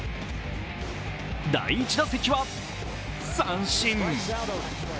第１打席は三振。